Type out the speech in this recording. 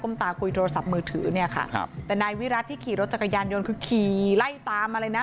ตาคุยโทรศัพท์มือถือเนี่ยค่ะครับแต่นายวิรัติที่ขี่รถจักรยานยนต์คือขี่ไล่ตามมาเลยนะ